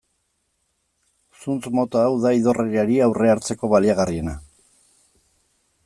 Zuntz mota hau da idorreriari aurre hartzeko baliagarriena.